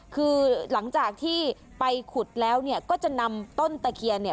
คือหลังจากที่ไปขุดแล้วเนี่ยก็จะนำต้นตะเคียนเนี่ย